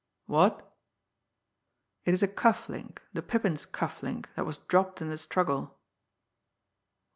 What? ... It is a cuff link, the Pippin's cuff link, that was dropped in the struggle....